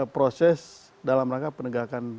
proses dalam rangka penegakan